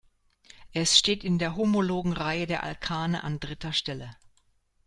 Es steht in der homologen Reihe der Alkane an dritter Stelle.